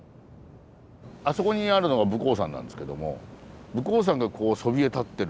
あそこにあるのが武甲山なんですけども武甲山がそびえ立ってる。